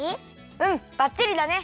うんばっちりだね！